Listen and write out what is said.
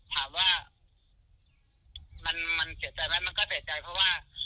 ถามว่ามันเสียใจไหมมันก็เสียใจเพราะว่า